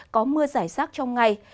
có mưa rải rác trong ngày